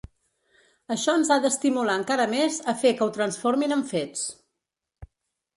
Això ens ha d’estimular encara més a fer que ho transformin amb fets.